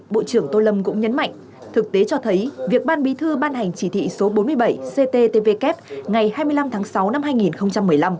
bộ trưởng tô lâm cũng nhấn mạnh thực tế cho thấy việc ban bí thư ban hành chỉ thị số bốn mươi bảy cttvk ngày hai mươi năm tháng sáu năm hai nghìn một mươi năm